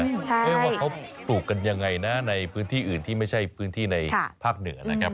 ว่าเขาปลูกกันยังไงนะในพื้นที่อื่นที่ไม่ใช่พื้นที่ในภาคเหนือนะครับ